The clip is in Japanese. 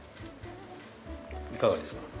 いかがですか？